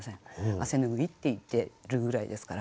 「汗拭ひ」って言ってるぐらいですから。